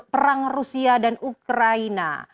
perang rusia dan ukraina